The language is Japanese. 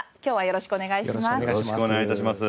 よろしくお願いします。